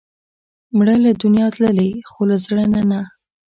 مړه له دنیا تللې، خو له زړه نه نه